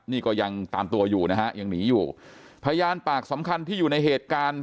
นี่ก็ยังตามตัวอยู่นะฮะยังหนีอยู่พยานปากสำคัญที่อยู่ในเหตุการณ์